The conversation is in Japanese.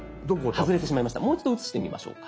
もう一度写してみましょうか。